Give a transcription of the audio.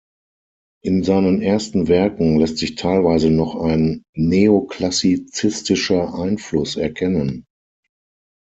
In seinen ersten Werken lässt sich teilweise noch ein neoklassizistischer Einfluss erkennen.